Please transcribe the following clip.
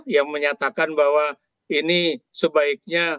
yang menyatakan bahwa ini sebaiknya